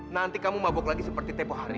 nanti kamu mabok lagi seperti tepoh hari